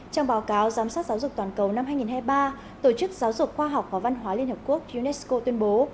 trong báo cáo giám sát giáo dục toàn cầu năm hai nghìn hai mươi ba tổ chức giáo dục khoa học và văn hóa liên hợp quốc unesco tuyên bố